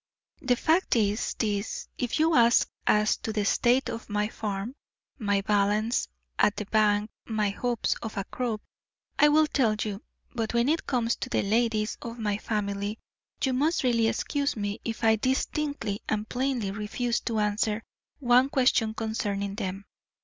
The fact is this if you ask as to the state of my farm, my balance at the bank, my hopes of a crop, I will tell you; but when it comes to the ladies of my family, you must really excuse me if I distinctly and plainly refuse to answer one question concerning them.